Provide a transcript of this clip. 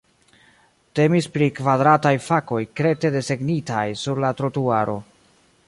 Temis pri kvadrataj fakoj krete desegnitaj sur la trotuaro.